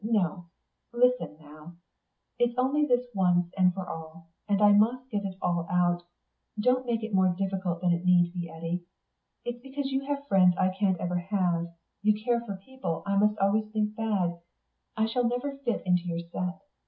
No listen now; it's only this once and for all, and I must get it all out; don't make it more difficult than it need be, Eddy. It's because you have friends I can't ever have; you care for people I must always think bad; I shall never fit into your set....